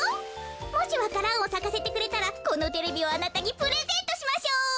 もしわか蘭をさかせてくれたらこのテレビをあなたにプレゼントしましょう。